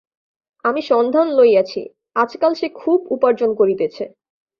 আমি সন্ধান লইয়াছি, আজকাল সে খুব উপার্জন করিতেছে।